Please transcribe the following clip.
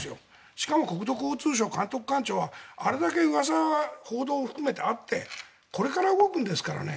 しかも国土交通省監督官庁はあれだけうわさ、報道含めてあってこれから動くんですからね。